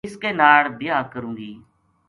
اِس کے ناڑ بیاہ کروں گی